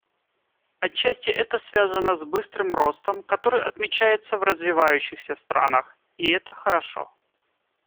Отчасти это связано с быстрым ростом, который отмечается в развивающихся странах, и это хорошо.